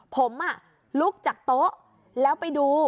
ผมลุกจากโต๊ะแล้วไปดู